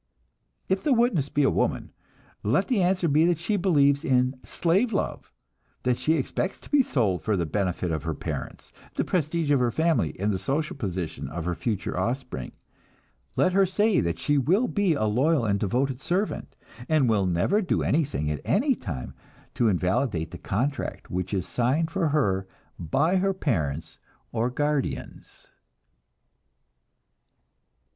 If the witness be a woman, let the answer be that she believes in slave love; that she expects to be sold for the benefit of her parents, the prestige of her family and the social position of her future offspring. Let her say that she will be a loyal and devoted servant, and will never do anything at any time to invalidate the contract which is signed for her by her parents or guardians.